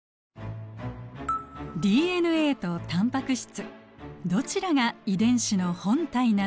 ＤＮＡとタンパク質どちらが遺伝子の本体なのか？